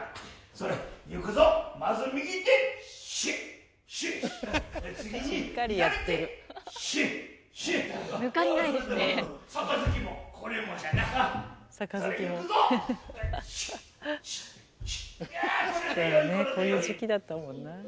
そうだねこういう時期だったもんなあ。